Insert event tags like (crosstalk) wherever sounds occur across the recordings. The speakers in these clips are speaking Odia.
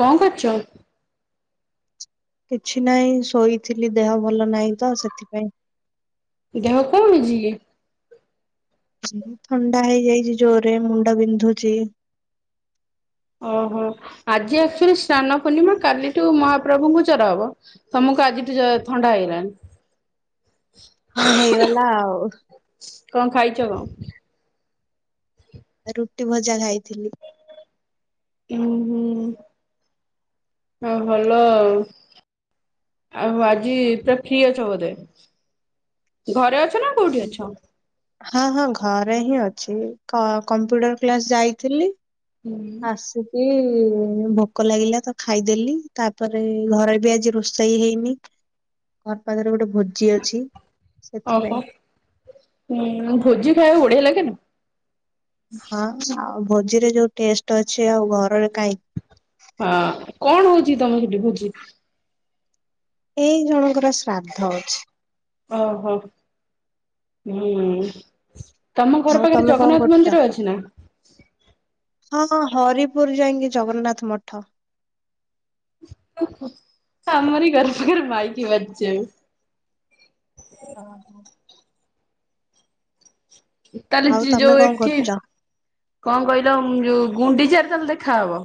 କଣ କରୁଚ। କିଛି ନାହିଁ ଶୋଇଥିଲି ଦେହ ଭଲ ନାହିଁ ତ ସେଥିପାଇଁ। ଦେହ କଣ ହେଇଛି କି? ଏହିଥଣ୍ଡା ହେଇ ଯାଇଛି ଜୋରରେ ମୁଣ୍ଡ ବିନ୍ଧୁଛି । ଓହୋ ଆଜି ଆକ୍ଚୁଆଲି ସ୍ନାନ ପୂର୍ଣିମା କାଲିଠୁ ମହାପ୍ରଭୁଙ୍କୁ ଜର ହବ ତମକୁ । କୁ ଆଜିଠୁ ଜ ଥଣ୍ଡା ହେଇଲାଣି । ହଁ ହେଇଗଲା ଆଉ । କଣ ଖାଇଛ କଁ । ରୁଟି ଭଜା ଖାଇଥିଲି। ହୁଁ ହୁଁ ହଁ ଭଲ ଆଉ । ଆଉ ଆଜି ପୁରା ଫ୍ରି ଅଛ ବୋଧେ ଘରେ ଅ ଅଛ ନା କୋଉଠି ଅଛ। ହଁ ହଁ ଘରେ ହିଁ ଅଛି କ କମ୍ପ୍ୟୁଟର କ୍ଲାସ ଯାଇଥିଲି। ଉଁ ‌ । ଏ ଭୋକ ଲାଗିଲା ତ ଖାଇଦେଲି ତାପରେ ଘରେ ବି ଆଜି ରୋଷେଇ ହେଇନି। ଘର୍ ପାଖରେ ଗୋଟେ ଭୋଜି ଅଛି। ସେଥିପାଇଁ ଓହୋ ଉଁ ଭୋଜି ଖାଇଆକୁ ବଢିଆ ଲାଗେ ନି। ହଁ ଆଉ ଭୋଜିରେ ଯୋଉ ଟେଷ୍ଟ ଅଛି ଆଉ ଘରରେ କାଇଁ । ହଁ କଣ ହଉଚି କି ତମ ସେଟି ଭୋଜି? ଏଇ ଜଣଙ୍କର ଶ୍ରାଦ୍ଧ ଅଛି। ଓ ହୋ ହୁଁ । ତମ ଘର ଆଉ ପାଖରେ ତମେ କଣ ଜଗନ୍ନାଥ କରୁଛ? ମନ୍ଦିର ଅଛି ନା? ହଁ ହରିପୁର ଯାଇଁକି ଜଗନ୍ନାଥ ମଠ। ସେ ଆମରି ଘର ପାଖରେ ମାଇକି ବାଜୁଛି ଏବେ। ହଁ ହଁ। ତାଏଲେ ଆଉ ତମେ ଯ-ଯୋଉ କଣ ଏଠି କରୁଛ? କଁ କହିଲ ଯୋଉ ଗୁଣ୍ଡିଚାରେ ‌ । ତାଏଲେ ଦେଖାହବ।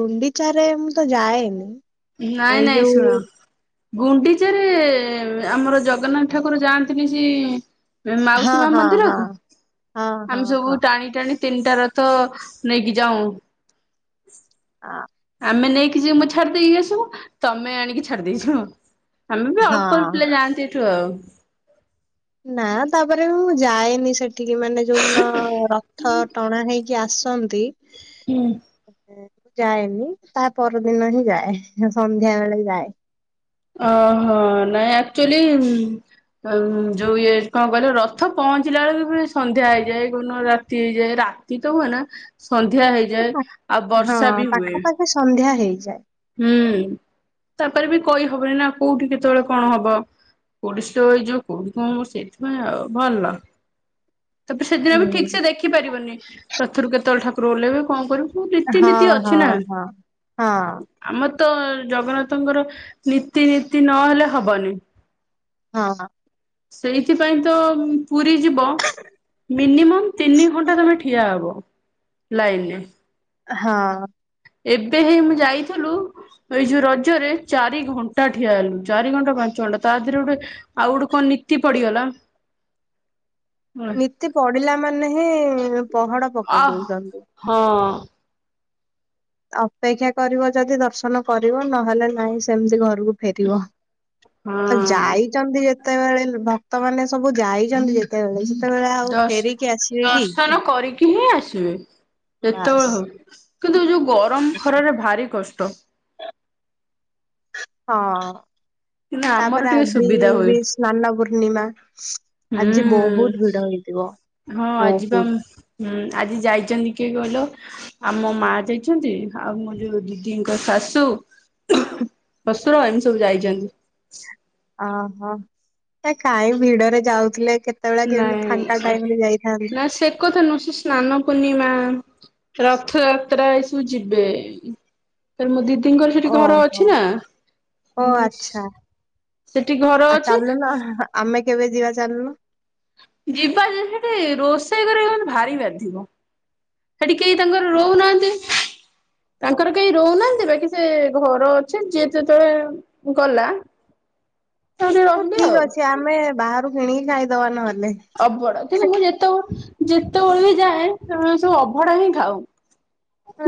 ଗୁଣ୍ଡିଚାରେ ମୁଁ ତ ଯାଏନି। ନାଇଁ ଏଇ ନାଇଁ ଶୁଣ। ଯୋଉ ଗୁଣ୍ଡିଚାରେ ଆମର ଜଗନ୍ନାଥ ଠାକୁର ଯାଆନ୍ତି ନି କି । ଏ ହଁ ମାଉସୀ ମା ହଁ ମନ୍ଦିର ହଁ କୁ ହଁ ହଁ ଆମେ ସବୁ ହଁ ଟାଣି ଟାଣି ତିନିଟା ରଥ ନେଇକି ଯାଉଁ। ଆ ଆମେ ନେଇକି ଯିବୁ ଛାଡି ଦେଇକି ଆସିବୁ। ତୋମେ ଆଣିକି ଛାଡି ଦେଇଯିବ। ଆମେ ବି ଅଳ୍ପ ଅ- ହଁ ପିଲା ଯାଆନ୍ତି ଏଠୁ ଆଉ। ନା ତାପରେ ବି ମୁଁ ଯାଏନି ସେଠିକି ମାନେ ଯୋଉନ ରଥ ଟଣା ହେଇ କି ଆସନ୍ତି। ହୁଁ। ଯାଏନି ତା ପରଦିନ ହିଁ ଯାଏ। ସେ ସନ୍ଧ୍ୟା ବେଳେ ଯାଏ। ଓହୋ ନାଇଁ ଆକ୍ଚୁଲି ଉଁ, ଆଉ ଯୋଉ ଇଏ କଣ କହିଲ ରଥ ପହଞ୍ଚିଲା ବେଳକୁ ପୁରା ସନ୍ଧ୍ୟା ହେଇଯାଏ। କୋଉନ ରାତି ହେଇଯାଏ। ରା ଆତି ତ ହୁଏ ନା। ସନ୍ଧ୍ୟା ହେଇଯାଏ। ଆଉ ହଁ ବର୍ଷା ବି ହୁଏ। ପାଖାପାଖି ସନ୍ଧ୍ୟା ହେଇଯାଏ। ହୁଁ, ତାପରେ ବି କଇହବନି ନା କୋଉଠି କେତେବେଳେ କଣ ହବ? ଓଡିଶାର ଯୋଉ (unintelligible) ସେଇଥିପାଇଁ ଆଉ ଭଲ। ତାପରେ ସେଦିନ ବି ହୁଁ ଠିକ୍ ସେ ଦେଖିପାରିବନି । ରଥରୁ କେତଳେ ଠାକୁର ଓହ୍ଲେଇବେ କଣ କରିବୁ? ରୀତିନୀତି ହଁ, ଅଛି ନା ହଁ, ହଁ, ହଁ। ଆମର ତ ଜଗନ୍ନାଥଙ୍କର ନୀତି ନୀତି ନହେଲେ ହବନି। ହଁ‌। ସେଇଥିପାଇଁ ତ ଉଁ, ପୁରୀ ଯିବ। ମିନିମମ୍ ତିନି ଘଣ୍ଟା ତୋମେ ଠିଆ ହବ ଲାଇନ୍ ରେ। ହଁ। ଏବେ ହେ ମୁଁ ଯାଇଥିଲୁ ଏଇ ଯୋଉ ରଜରେ ଚାରି ଘଣ୍ଟା ଠିଆ ହେଲୁ। ଚାରି ଘଣ୍ଟା ପାଞ୍ଚ ଚଣ୍ଡ ତା ଧିରୁ ଗୋଟେ ଆଉ ଗୋଟେ କଣ ନୀତି ପଡିଗଲା ହେଲା। ନିତି ପଡିଲା ମାନେ ହିଁ ଇଁ ପହଡ ଆ ପକେଇ ଦୋଉଚନ୍ତି। ହଁ ଅପେକ୍ଷା କରିବ ଯଦି ଦର୍ଶନ କରିବ ନହେଲେ ନାଇଁ ସେମିତି ଘର କୁ ଫେରିବ। ଆଉ ହଁ ଯାଇଚନ୍ତି ଯେ ତେବେଳେ ଭକ୍ତ ମାନେ ସବୁ ଯାଇଚନ୍ତି ଯେତେବେଳେ ସେତେବେଳେ ଆଉ ଦଶ୍ ଫେରିକି ଆସିବେ କି ଦର୍ଶନ କରିକି ହିଁ ଆସିବେ ବାସ୍। ଯେତବେଳେ ହଉ। କିନ୍ତୁ ଏ ଯୋଉ ଗରମ ଖରାରେ ଭାରି କଷ୍ଟ। ହଁ। କିନ୍ତୁ ଆମର ତାପରେ ଟିକେ ଆଜି ସୁବିଧା ଇ ହୁଏ -ବି ସ୍ନାନ ପୂର୍ଣ୍ଣିମା। ଆଜି ହୁଁ ବହୁତ ଭିଡ ହେଇଥିବ। ହଁ ଆଜିି ପା ବହୁତ ଉମ, ଉଁ, ଆଜି ଯାଇଚନ୍ତି କିଏ କଇ ତ ଆଉ ମୋମା ଯାଇଛନ୍ତି। ଆଉ ମୋ ଯୋଉ ଦିଦିଙ୍କ ଶାଶୁ । ଶଶୁର ଏମିତି ସବୁ ଯାଇଚନ୍ତି। ଓହୋ ଏ କାଇଁ ଭିଡରେ ଯାଉଥିଲେ । ନାଇଁ ଏ ନା ସେ କଥା ନୁହଁ ସିଏ ସ୍ନାନ ପୁନି ମା ରଥଯାତ୍ରା ଏସବୁ ଯିବେ। ତେଣୁ ମୋ ଦି ଓ ହୋ, ଓ ଆଚ୍ଛା । ସେଠି ଘର ଆଉ ଅଛି ଚାଲୁନ ଆମେ କେବେ ଯିବା ଚାଲୁନୁ? ଯିବା ଯେ ସେଠି ରୋଷେଇ କରିକି କିନ୍ତୁ ଭାରି ବାଧିବ । ସେଠି କେହି ତାଙ୍କର ରହୁନାହାନ୍ତି। ତାଙ୍କର କେଇ ରହୁନାହାନ୍ତି ବାକି ସେ ଘର ଅଛି। ଯିଏ ଯେତେବେଳେ ଗଲା ସେଠି ହଉ ରହିଲେ ଠିକ୍ ଆଉ ଅଛି ଆମେ ବାହାରୁ କିଣିକି ଖାଇଦବା ନହ ଅବଡା କିନ୍ତୁ ମୁଁ ଯେତବଳେ ଯେତବଳେ ବି ଯାଏ ସେମାନେ ସବୁ ଅଭଡା ହିଁ ଖାଉ।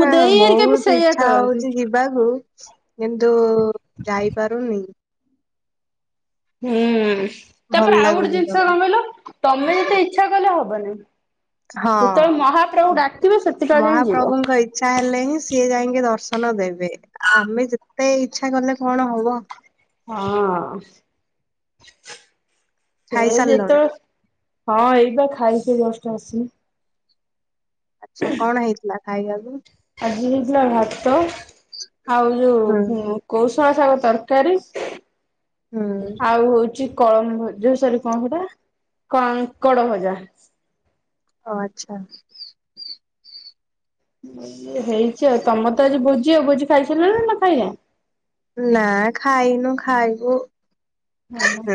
ମୋ ଦେଇ ହେରିକା ବି ବହୁତ ସେଇଆ ଇଚ୍ଛା କରନ୍ତି। ହଉଚି ଯିବାକୁ। କିନ୍ତୁ ଯାଇପାରୁନି। ହୁଁ ଭଲ ତାପରେ ଆଉ ଗୋଟେ ଲାଗୁନି ଜିନିଷ ଜମା କଣ କହିଲ ତୋମେ ଯେତେ ଇଚ୍ଛା କଲେ ହବ ବନି ଯେତେବେଳେ ହଁ। ମହାପ୍ରଭୁ ଡାକିବେ ସେତିକାବେଳେ ଯାଇଁ ଯିବ ମହାପ୍ରଭୁଙ୍କ ଇଚ୍ଛା ହେଲେ ହିଁ । ସିଏ ଜାଇଁଙ୍କି ଦର୍ଶନ ଦେବେ ଆମେ ଯେତେ ଇଚ୍ଛା କଲେ କଣ ହବ । ହଁ । ସେ ଖାଇସାରିଲଣି। ଯେତବେଳେ, ହଁ ଏଇପା ଖାଇକି ଜଷ୍ଟ ଆସିଲି । ଆଚ୍ଛା କଣ ହେଇଥିଲା ଖାଇବାକୁ? ଆଜି ହେଇଥିଲା ଭାତ ଆଉ ଯଉ ହୁଁ। ଉଁ କୌଶ ଶଳା ଶାଗ ତରକାରୀ ହୁଁ ଆଉ ହଉଚି କଳମ ଭଜ ଯୋଉ ସରି କଣ ସେଟା କାଙ୍କଡ ଭଜା । ଓ ଆଚ୍ଛା। ହେଇଚି ଆଉ ତମରତ ଆଜି ଭୋଜି ଆଉ ଭୋଜି ଖାଇସାରିଲଣି ନାଁ ଖାଇନ? ନାଁ ଖାଇନୁ ଖାଇବୁ । ହଁ ମ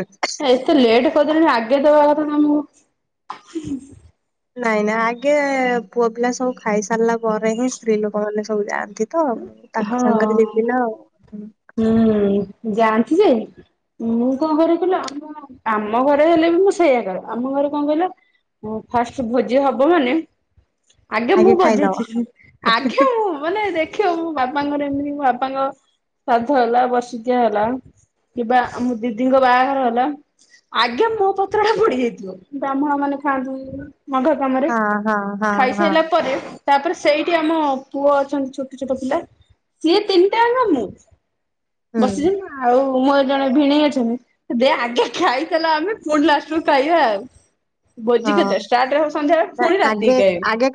ଏତେ ଲେଟ୍ କରିଦେଲେଣି ଆଗେ ଦବା କଥା ଆମୁକୁ। ନାଇଁ ନାଇଁ ଆଗେ ପୁଅ ପିଲା ସବୁ ଖାଇସାରିଲା ପରେ ହିଁ ସ୍ତ୍ରୀ ଲୋକମାନେ ସବୁ ଯାଆନ୍ତି । ତ ତାଙ୍କ ସାଙ୍ଗରେ ହଁ। ଯିବିନା ଆଉ । ହୁଁ ଯାଆନ୍ତି ଯେ ମୁଁ କଣ କରେ କହିଲ ଆମ ଆମ ଘରେ ହେଲେ ବି ମୁଁ ସେଇଆ କରେ ଆମ ଘରେ କଣ କହିଲ ଅ ଫାଷ୍ଟ ଭୋଜି ହବ ମାନେ ଆଗେ ମୁଁ ବଜେଇଥିଲି ଆଗେ ମୁଁ ମାନେ ଦେ ଖିବ ମୋ ବାପାଙ୍କର ଏମିତି ମୋ ବାପାଙ୍କ ସାଦ୍ଧ ହେଲା ବର୍ଷିକିଆ ହେଲା କିବା ଆମ ଦିଦିଙ୍କ ବାହାଘର ହେଲା । ଆଗେ ମୋ ପତ୍ରଟା ପଡିଯାଇଥିବ ବ୍ରାହ୍ମଣ ମାନେ ଖଆନ୍ତି। ମାଘ କାମରେ ହଁ ହଁ ହଁ ହଁ ଖାଇସାଇଲା ପରେ ତାପରେ ସେଇଟି ଆମ ପୁଅ ଅଛନ୍ତି ଛୋଟ ଛୋଟ ପିଲା ସିଏ ତିନିଟା ଆଙ୍କ ମୁଁ ହୁଁ ବସିଯି ନାଁ ଆଉ ମୋର ଜଣେ ଭିଣେଇ ଅଛନ୍ତି ଦେ ଆଗେ ଖାଇସାରିଲେ ଆମେ ପୁଣି ଲାଷ୍ଟକୁ ଖାଇବା ଆଉ । ଭୋଜିି କେତେ ହଁ। ଷ୍ଟାର୍ଟ ହବ ସନ୍ଧ୍ୟାବେଳେ ନା ପୁଣି ଆଗେ ରାତିକି ଆଗେ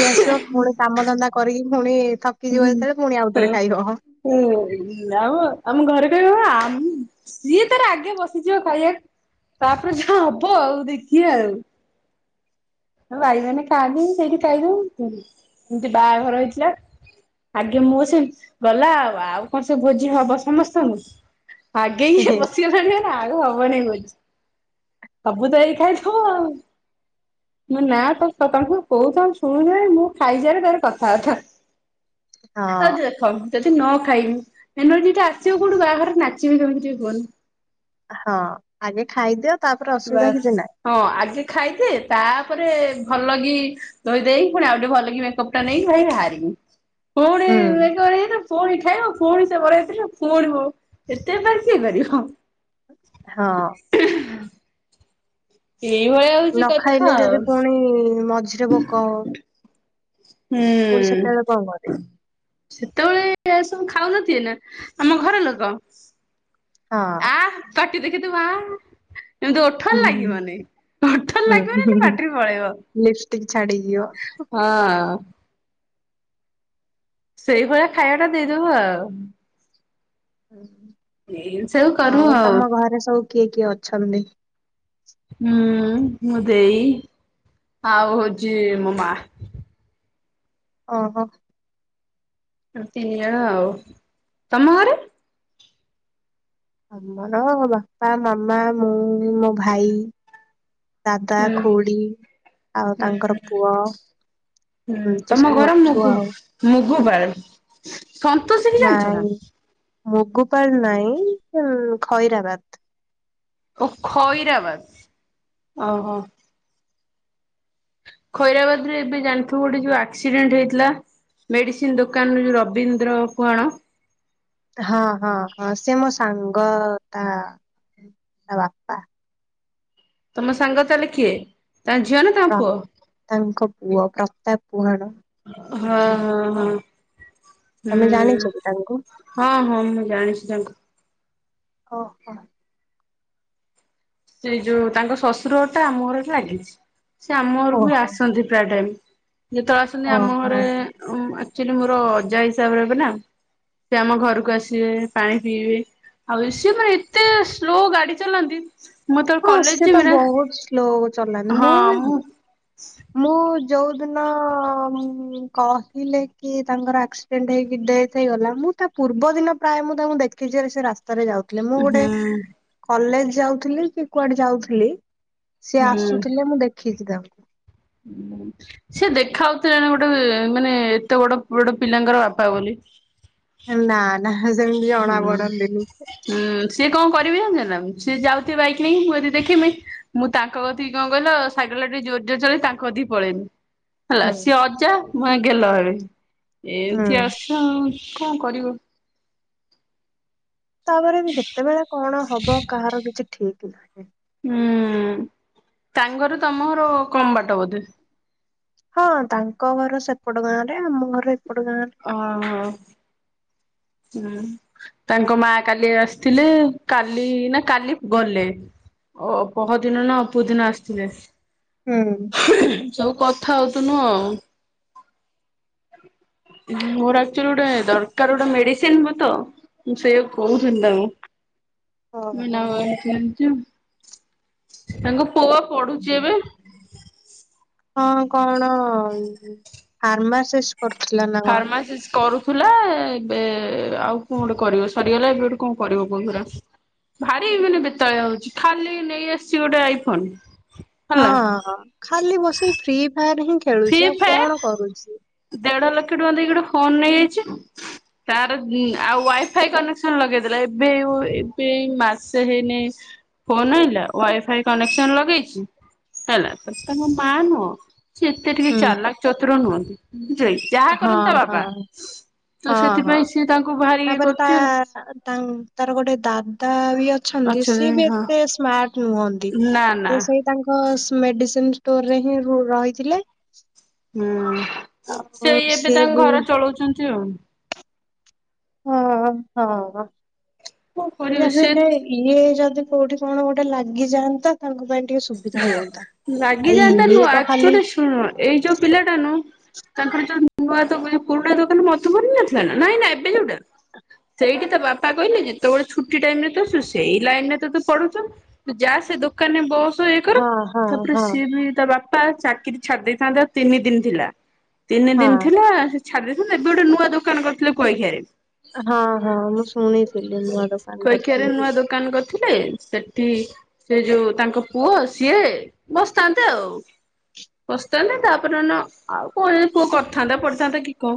ଖାଇବୁ । କାମଧନ୍ଦା କରିକି ପୁଣି ଥକିଯିବ ହୁଁ ଯେତେବେଳେ ପୁଣି ଆଉଥରେ ଖାଇବ ହେ ହୁଁ ହୁଁ ଆମ ଆମ ଘରେ କହିବ ଆମ ସିଏ ତାର ଆଗେ ବସିଯିବ ଖାଇବାକୁ । ତାପରେ ଯାହା ହବ ଆଉ ଦେଖିଆ ଆଉ । ସବୁ ବାଇ ମାନେ ଖାଆନ୍ତି ସେଇଠି ଖାଇଦଉ ଉଁ ଏମିତି ବାହାଘର ହେଇଥିଲା । ଆଗେ ମୁଁ ବସିଗନି ଗଲା ଆଉ ଆଉ କଣ ସେ ଭୋଜି ହବ ସମସ୍ତଙ୍କୁ । ଆଗେ ଇଏ ହେ। ବସିଗଲାଣି ମାନେ ଆଉ ହବନି ଭୋଜି । ସବୁ ତ ଏଇ ଖାଇ ଥିବା ଆଉ। ମୋ ନା ତ ତାଙ୍କୁ କହୁଥ ଶୁଣୁନ ମୁଁ ଖାଇସାରେ ତାପରେ କଥାବାର୍ତ୍ତା। ଆଉ ହଁ ଯ ଦେଖ ନ ଖାଇବି ଏନୋଜି ଆସିବ କୋଉଠୁ ବାହାଘରରେ ନାଚିବି କେମିତି ଟିକେ କୁହନି? ହଁ ଆଗେ ଖାଇଦିଅ ତାପରେ ବା ଅସୁବିଧା କିଛି ନାହିଁ ହଁ ଆଜି ଖାଇଦେ ତାପରେ ଭଲ କି ଧୋଇ ଦେଇ ପୁଣି ଆଉ ଟେ ଭଲ କି ମେକଅପ୍ ଟା ନେଇକି ଭାଇ ବାହାରିବି। ପୁଣି ହୁଁ ଏକ ପୁଣି ଖାଇବ ପୁଣି ତେ ବଡ ହେଇଥିଲୁ ପୁଣି ହ ଏତେ ବାର ସିଏ କରିବ। ହଁ। ଏଇଭଳିଆ ହଉଛି ନ କଥା ଖାଇଲେ ଆଉ ଯଦି ପୁଣି ମଝିରେ ଭୋକ ହ ହୁଁ ସେତେବେଳେ ସବୁ ଖାଉନଥିବେ ନା ଆମ ଘର ଲୋକ। ହଁ ଆ ପାଟି ଦେଖେଇ ଦବୁ ତୁ ଆ। କିନ୍ତୁ ଓଠରେ ହୁଁ ହୁଁ ହୁଁ। ଲାଗିବନି ଓଠରେ ଲାଗିବନି ହେଲେ ପାଟିରୁ ପଳେଇବ। ଲିଫଷ୍ଟିକି ଚଡ଼ିଯିବ। ହଁ ସେଇଭଳିଆ ଖାଇବା ଟା ଦେଇଦବ ଆଉ। ଏଇ ସବୁ କରୁ ଆଉ ତମ ଘରେ ସବୁ କିଏ କିଏ ଅଛନ୍ତି? ହୁଁ ମୋ ଦେଇ ଆଉ ହୋଉଚି ମୋ ମା। ଓହୋ। ଆମେ ତିନିଜଣ ଆଉ ତମ ଘରେ? ଆମର ବାପା ମାମା ମୁଁ ମୋ ଭାଇ ଦାଦା ହୁଁ ଖୁଡ଼ି ଆଉ ହୁଁ ତାଙ୍କର ପୁଅ। ହୁଁ ଏମିତି ତମ ସବୁ ଘର ଅଛୁ ମୁକୁ ଆଉ ମୁ ଘୋବାର ସନ୍ତୋଶୀ କି ଜାଣିଚ ନା? ନାଇଁ ମୁଗୁପାଳ ନାଇଁ ଉଁ ଖଇରାବାଦ। ଓଃ ଖଇରାବାଦ ଓହୋ। ଖଇରାବାଦ ରେ ଏବେ ଜାଣିଥିବୁ ଗୋଟେ ଯୋଉ ଆକ୍ସିଡେଣ୍ଟ ହେଇଥିଲା? ମେଡିସିନ ଦୋକାନରେ ଯୋଉ ରବୀନ୍ଦ୍ର କୁଆଣ। ହଁ ହଁ ହଁ ସେ ମୋ ସାଙ୍ଗ ତା ତା ବାପା। ତମ ସାଙ୍ଗ ତାହଲେ କିଏ ତାଙ୍କ ଝିଅ ନା ତାଙ୍କ ପ୍ର ପୁଅ? ତାଙ୍କ ପୁଅ ପ୍ରତାପ ପୁହାଣ ହଁ ହଁ ହଁ। ତମେ ହୁଁ ଜାଣିଛ କି ତାଙ୍କୁ ହଁ ହଁ ମୁଁ ଜାଣିଛି ତାଙ୍କୁ। ଓହୋ। ସେ ଯୋଉ ତାଙ୍କ ଶଶୁର ଘର ଟା ଆମ ଘରଠି ଲାଗିଛି। ସେ ଆମ ଘରକୁ ବି ଓହୋ ଆସନ୍ତି ପ୍ରାୟେ ଟାଇମ। ଯେତେବେଳେ ଆସନ୍ତି ଆମ ଘରେ ଓହୋ ଉଁ ଅକ୍ଚୁଲି ମୋର ଅଜା ହିସାବରେ ହେବେ ନା। ସେ ଆମ ଘରକୁ ଆସିବେ ପାଣି ପିଇବେ। ଆଉ ସିଏ ମାନେ ଏତେ ସ୍ଲୋ ଗାଡି ଚଲାନ୍ତି। ମୁଁ ଯେତୋବେଳେ ହଁ ସେ କଲେଜ ତ ଯିବି ନା ବହୁତ ସ୍ଲୋ ଚଲାନ୍ତି ହଁ ବି ମୁଁ ମୁଁ ଯୋଉଦିନ ଉଁ କହିଲେ କି ତାଙ୍କର ଆକ୍ସିଡେଣ୍ଟ ହେଇକି ଡେଥ୍ ହେଇଗଲା ମୁଁ ଜ ମୁଁ ତା ପୂର୍ବ ଦିନ ପ୍ରାଏ ମୁଁ ତାଙ୍କୁ ଦେଖିଚି ଆରେ ସେ ରାସ୍ ସ୍ତାରେ ଯାଉଥିଲେ ମୁଁ ଗୋଟେ ହୁଁ କଲେଜ ଯାଉଥିଲି କି କୁଆଡେ ଯାଉଥିଲି। ସିଏ ଆସୁଥିଲେ ମୁଁ ଦେଖିଚି ତାଙ୍କୁ। ଉଁ ସିଏ ଦେଖ ହୋଉଥିଲେନା ଗୋଟେ ଏଁ ମାନେ ଏତେ ବଡ ବଡ ପିଲାଙ୍କର ବାପା ବୋଲି? ନା ନା ସେମିତି ହୁଁ ଜଣା ପଡନ୍ତିନି। ହିଁ ସିଏ କଣ କରିବି ଜାଣିଚ ନା। ସିଏ ଯାଉଥିବେ ବାଇକ୍ ନେଇକି। ମୁଁ ଯଦି ଦେଖିମି ମୁଁ ତାଙ୍କ କି କଣ କହିଲ ସାଇକେଲ ଟା ଜୋର୍ ଜୋର୍ ଚଲେଇ କି ତାଙ୍କ କତିକି ପଳେଇମି। ହେଲା ହୁଁ ସିଏ ଅଜା ମୋ ସାଙ୍ଗେ ଗେଲ ହେବେ ହୁଁ ଏମତି ଆସୁଛ ଆଉ। କଣ କରିବ। ତାପରେ ବି କେତେବେଳେ କଣ ହବ କାହାର କିଛି ଠିକ ନାହିଁ। ହୁଁ ତାଙ୍କ ଘରୁ ତମ ଘର କମ ବାଟ ବୋଧେ ହଁ ତାଙ୍କ ଘର ସେପଟ ଗାଁ ରେ ଆମ ଘର ଏ ଓହୋ। ହୁଁ ତାଙ୍କ ମା କାଲି ଆସିଥିଲେ କାଲି ନା କାଲି ଗଲେ। ଓ ପହଁଦିନ ନା ଅପଦିନ ଆସିଥିଲେ। ହୁଁ। ସବୁ କଥା ହୋଉଥୁନୁ ଆଉ। ମୋର ଆକ୍ଚୁଲି ଗୋଟେ ଦରକାର ଗୋଟେ ମେଡିସିନ ମୁଁ ତ ମୁଁ ସେଇଆକୁ କୋହୁଥିନି ତାଙ୍କୁ। ଓହୋ। ମୀନା (unintelligible) ତାଙ୍କ ପୁଅ ପଢୁଚି ଏବେ ହଁ କଣ ଫାର୍ମାସିଷ୍ଟ କରୁଥିଲା ନା କଣ। ଥୁଲା ଏବେ ଆଉ କଣ ଗୋଟେ କରିବ ସରିଗଲା ଏବେ ଗୋଟେ କଣ କରିବ କହୁଥିଲା। ଭାରି ମାନେ ବେତାଳିଆ ହୋଉଚି ଖାଲି ନେଇ ଆସିଚି ଗୋଟେ ଆଇଫୋନ। ହେଲା। ହଁ ଖାଲି ବସିକି ଫ୍ରି ଫାୟାର ହିଁ ଫ୍ରି ଖେଳୁଚି ଆଉ କଣ କରୁଚି। ଲକ୍ଷେ ଟଙ୍କା ଦେଇକି ଗୋଟେ ଫୋନ ନେଇଆଇଚି। ତାର ଉଁ ଆଉ ୱାଇଫାଇ କନେକ୍ସନ ଲଗେଇ ଦେଲା ଏବେ ଏବେ ଏଇ ମାସେ ହେନେଇନି। ଫୋନ ଆଣିଲା ୱାଇଫାଇ କନେକ୍ସନ ଲଗେଇଛି ହେଲା ତ ତାଙ୍କ ମା ନୁହଁ। ସେ ଏତେ ଟିକେ ହୁଁ। ଚାଲାକ୍ ଚତୁର ନୁହନ୍ତି ବୁଝିଲ କି। ଯାହା ହଁ କରନ୍ତି ତା ହଁ। ବାବା ତ ହଁ ହଁ ସେଥିପାଇଁ ସିଏ ତାଙ୍କୁ ଭାରି ଇଏ ତାପରେ ତା କରୁଛି ତା ତାର ଗୋଟେ ଦା ଦାଦା ବି ଅଛନ୍ତି ସି ବି ଏତେ ସ୍ମାର୍ଟ ନୁହନ୍ତି ନା ନା ସେ ସେଇ ତାଙ୍କ ମେଡିସିନ ଷ୍ଟୋର ରେ ହିଁ ରହିଥିଲେ। ହୁଁ ଆଉ ସେଇ ଏବେ ସେ ତାଙ୍କ ବି ଘର ଚଳଉଛନ୍ତି ଆଉ। ହଁ ହଁ କଣ କରିବେ ସେ ଯାହାବିହେଲେ ଇଏ ଯଦି କୋଉଠି କଣ ଗୋଟେ ଲାଗିଯାଆନ୍ତା ତାଙ୍କ ପାଇଁ ଟିକେ ସୁବିଧା ହୁଅନ୍ତା। ଆଉ ଲାଗିଯାଆନ୍ତା ନୁଁହ ଇଏ ତ ଖାଲି ଆଚୁଆଲି ଶୁଣ ଏଇ ଯୋଉ ପିଲା ଟା ନୁ ତାଙ୍କର ଯୋଉ ନୂଆ ତ ପୁରୁଣା ଦୋକାନ ମତବନ ନଥିଲା ନା ନାଇଁ ନା ଏବେ ଯୋଉଟା। ସେଇଠି ତା ବାପା କହିଲେ ଯେତେବେଳେ ଛୁଟି ଟାଇମ୍ ରେ ତୁ ଅଛୁ ସେଇ ଲାଇନରେ ତୁତ ପଢୁଛୁୁ ତୁ ଯା। ସେ ଦୋକାନ ରେ ବସ ଇଏ କର ହଁ ହଁ ତାପରେ ହଁ ସିଏ ବି ତା ବାପା ଚାକିରି ଛାଡି ଦେଇଥାନ୍ତେ ଆଉ ତିନି ଦିନ ଥିଲା ତିନି ଦିନ ହଁ। ଥିଲା। ଛାଡ଼ିଦେଇ ଥାନ୍ତେ ଏବେ ଗୋଟେ ନୂଆ ଦୋକାନ କରିଥିଲେ କହିିଆରେ। ହଁ ହଁ ମୁଁ ଶୁଣିଥିଲି ନୂଆ ଦୋକାନ କୁଆଖିଆରେ କରିଥିଲେ ନୂଆ ବୋଲି। ଦୋକାନ କରିଥିଲେ ସେଠି ସେ ଯୋଉ ତାଙ୍କ ପୁଅ ସିଏ ବସିଥାନ୍ତେ ଆଉ। ବସିଥାନ୍ତେ ତାପରେ ଆଉ କଣ ପୁଅ କରିଥାନ୍ତା ପଡିଥାନ୍ତା କି କଣ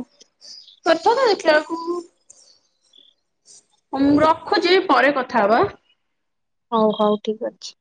କରିଥା ହଁ ଦେଖିଲା ବେଳକୁ ମୁଁ ରଖୁଛି ପରେ କଥା ହବା ଆଁ। ହୋଉ ହୋଉ ଠିକ୍ ଅଛି।